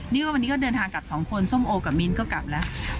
นี่ก็วันนี้ก็เดินทางกลับสองคนส้มโอกับมิ้นก็กลับแล้ว